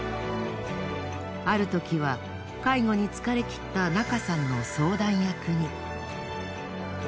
ある時は介護に疲れきった中さんの相談役に。